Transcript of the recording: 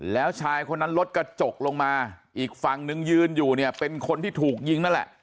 แล้วชายคนนั้นรถกระจกลงมาอีกฝั่งนึงยืนอยู่เนี่ยเป็นคนที่ถูกยิงนั่นแหละ